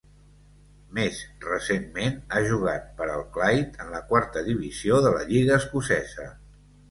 Més recentment, ha jugat per al Clyde en la quarta divisió de la lliga escocesa.